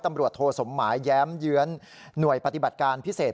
ตำรวจโทสมหมายแย้มเยื้อนหน่วยปฏิบัติการพิเศษ